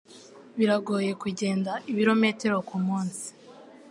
Biragoye kugenda ibirometero kumunsi.